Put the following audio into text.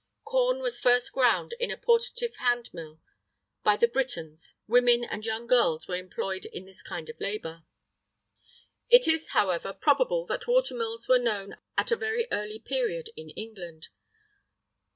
[III 43] Corn was at first ground in a portative hand mill; by the Britons, women and young girls were employed in this kind of labour.[III 44] It is, however, probable that watermills were known at a very early period in England.